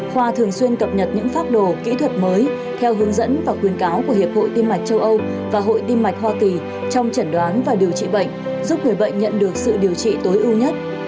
khoa thường xuyên cập nhật những phác đồ kỹ thuật mới theo hướng dẫn và khuyến cáo của hiệp hội tim mạch châu âu và hội tim mạch hoa kỳ trong chẩn đoán và điều trị bệnh giúp người bệnh nhận được sự điều trị tối ưu nhất